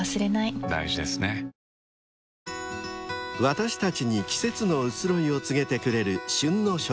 ［私たちに季節の移ろいを告げてくれる］